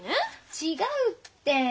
違うって。